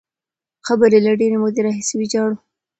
قبر یې له ډېرې مودې راهیسې ویجاړ وو.